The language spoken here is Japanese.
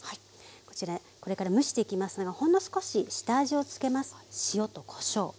こちらこれから蒸していきますがほんの少し下味をつけます。